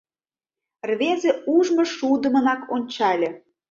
Рвезе ужмышудымынак ончале: